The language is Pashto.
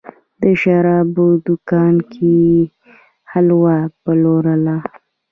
د شرابو دوکان کې یې حلوا پلورله.